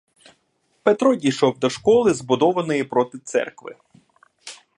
Петро дійшов до школи, збудованої проти церкви.